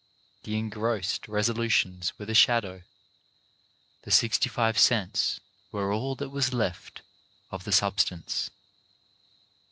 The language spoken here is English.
The engrossed resolutions were the shadow; the sixty five cents were all that was left of the sub stance.